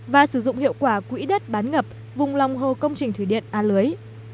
và sử dụng hiệu quả quỹ đất bán ngập vùng lòng hồ công trình thủy điện a lưới